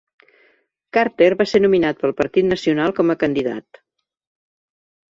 Carter va ser nominat pel Partit Nacional com a candidat.